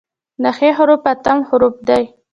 د "ح" حرف اتم حرف دی.